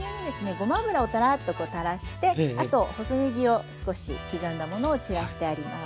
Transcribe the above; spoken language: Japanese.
ごま油をたらっとたらしてあと細ねぎを少し刻んだものを散らしてあります。